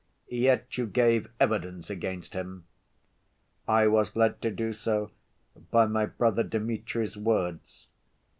"Yet you gave evidence against him?" "I was led to do so by my brother Dmitri's words.